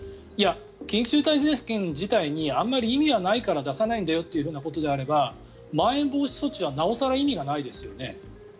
いや、緊急事態宣言自体にあんまり意味はないから出さないんだよということであればまん延防止措置はなお更、意味がないですよね。